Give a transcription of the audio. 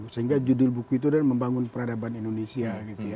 sehingga judul buku itu adalah membangun peradaban indonesia